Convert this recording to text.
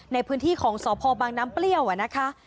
ในพื้นที่ของสพบางน้ำเปรี้ยวนะคะ